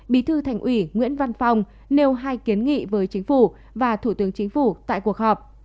bí thư thành ủy nguyễn văn phong nêu hai kiến nghị với chính phủ và thủ tướng chính phủ tại cuộc họp